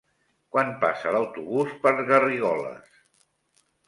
Quan passa l'autobús per Garrigoles?